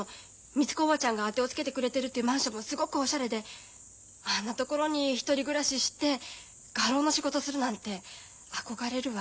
みつ子叔母ちゃんが当てをつけてくれてるっていうマンションもすごくおしゃれであんなところに１人暮らしして画廊の仕事するなんて憧れるわ。